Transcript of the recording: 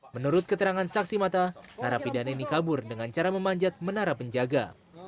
menurut keterangan saksi mata narapidana ini kabur dengan cara memanjat menara penjaga